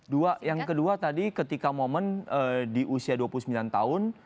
dua yang kedua tadi ketika momen di usia dua puluh sembilan tahun